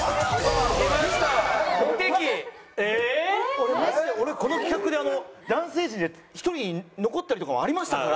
俺マジで俺この企画で男性陣で１人残ったりとかもありましたから。